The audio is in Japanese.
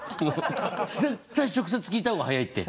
絶対直接聞いた方が早いって！